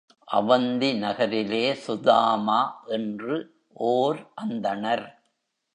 அவந்தி நகரிலே சுதாமா என்று ஓர் அந்தணர்.